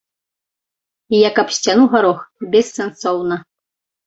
Як аб сцяну гарох, бессэнсоўна.